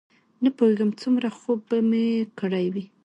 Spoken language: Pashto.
نه پوهېږم څومره خوب به مې کړی وي.